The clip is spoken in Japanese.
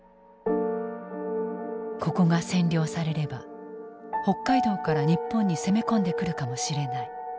ここが占領されれば北海道から日本に攻め込んでくるかもしれない。